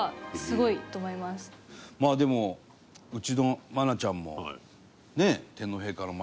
まあでもうちの愛菜ちゃんもね。